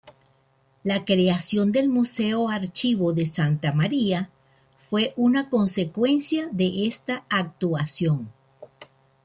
La creación del Museo Archivo de Santa Maria fue una consecuencia de esta actuación.